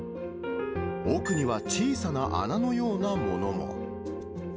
奥には小さな穴のようなものも。